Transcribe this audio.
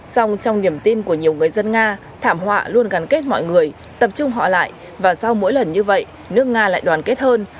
xong trong niềm tin của nhiều người dân nga thảm họa luôn gắn kết mọi người tập trung họ lại và sau mỗi lần như vậy nước nga lại đoàn kết hơn